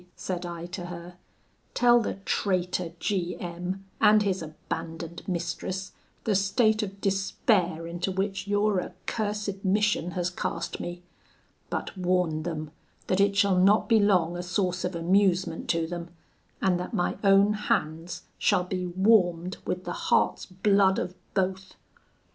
said I to her, 'tell the traitor G M and his abandoned mistress the state of despair into which your accursed mission has cast me; but warn them that it shall not be long a source of amusement to them, and that my own hands shall be warmed with the heart's blood of both!'